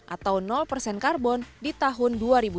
atau karbon di tahun dua ribu enam puluh